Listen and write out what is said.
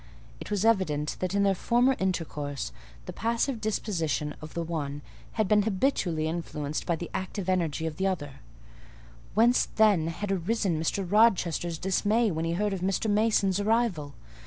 It was evident that in their former intercourse, the passive disposition of the one had been habitually influenced by the active energy of the other: whence then had arisen Mr. Rochester's dismay when he heard of Mr. Mason's arrival?